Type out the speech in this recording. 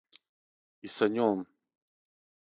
И са њом.